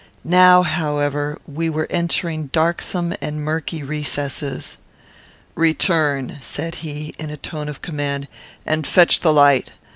Now, however, we were entering darksome and murky recesses. "Return," said he, in a tone of command, "and fetch the light.